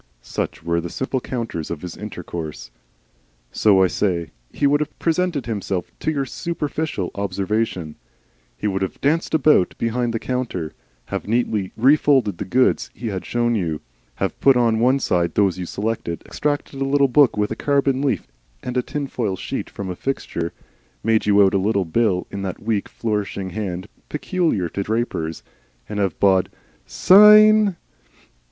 Such were the simple counters of his intercourse. So, I say, he would have presented himself to your superficial observation. He would have danced about behind the counter, have neatly refolded the goods he had shown you, have put on one side those you selected, extracted a little book with a carbon leaf and a tinfoil sheet from a fixture, made you out a little bill in that weak flourishing hand peculiar to drapers, and have bawled "Sayn!"